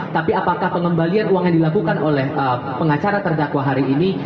tapi apakah pengembalian uang yang dilakukan oleh pengacara terdakwa hari ini